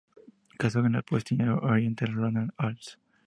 Casó con la poetisa Henriette Roland-Holst.